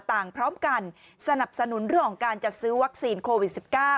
พร้อมกันสนับสนุนเรื่องของการจัดซื้อวัคซีนโควิด๑๙